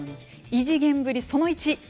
異次元ぶりその１。